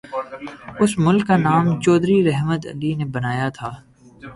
اس ملک کا نام چوہدری رحمت علی نے بنایا تھا۔